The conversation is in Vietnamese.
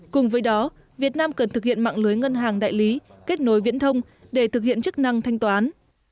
cùng với đó việt nam cần thực hiện mạng lưới ngân hàng đại lý kết nối viễn thông để thực hiện chức năng thanh toán